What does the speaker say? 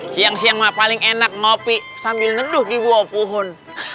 siang siang mah paling enak ngopi sambil neduh di bawah pohon